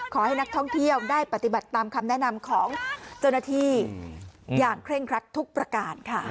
ขอให้นักท่องเที่ยวได้ปฏิบัติตามคำแนะนำของเจ้าหน้าที่อย่างเคร่งครัดทุกประการค่ะ